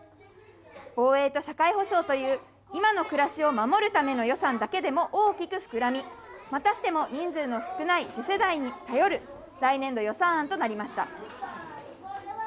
防衛と社会保障という今の暮らしを守るための予算だけでも大きく膨らみ、またしても人数の少ない次世代に頼る、来年度予算案となりました。